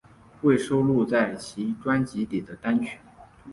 未收录在其专辑里的单曲